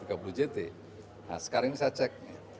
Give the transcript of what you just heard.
nah sekarang ini saya cek